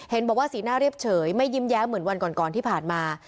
บอกว่าสีหน้าเรียบเฉยไม่ยิ้มแย้มเหมือนวันก่อนที่ผ่านมา